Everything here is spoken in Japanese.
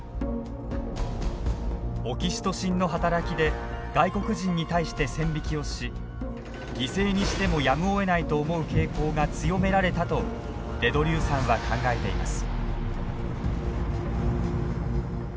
オキシトシンの働きで外国人に対して線引きをし犠牲にしてもやむをえないと思う傾向が強められたとデ・ドリューさんは考えています。